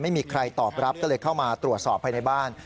ไม่มีใครตอบรับก็เลยเข้ามาตรวจสอบภายในบ้าน